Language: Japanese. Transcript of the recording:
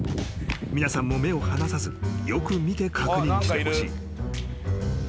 ［皆さんも目を離さずよく見て確認してほしい］